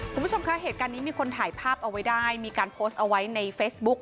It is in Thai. คุณผู้ชมคะเหตุการณ์นี้มีคนถ่ายภาพเอาไว้ได้มีการโพสต์เอาไว้ในเฟซบุ๊ก